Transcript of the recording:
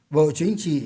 bộ chính trị